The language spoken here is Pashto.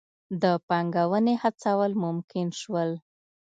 د پانګونې هڅول ممکن شول.